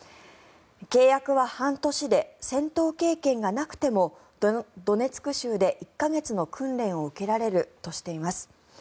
契約は半年で戦闘経験がなくてもドネツク州で１か月の訓練を受けられるとしています。